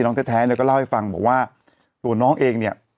แท้เนี่ยก็เล่าให้ฟังบอกว่าตัวน้องเองเนี่ย